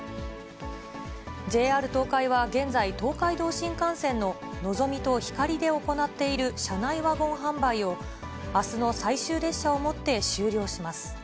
ＪＲ東海は現在、東海道新幹線ののぞみとひかりで行っている車内ワゴン販売を、あすの最終列車をもって終了します。